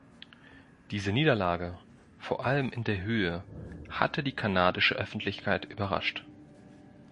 Diese Niederlage, vor allem in der Höhe, hatte die kanadische Öffentlichkeit überrascht.